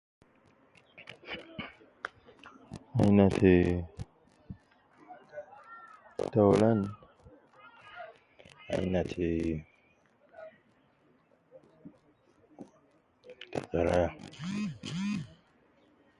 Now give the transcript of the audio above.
Aina te , taulan, aina te, garaya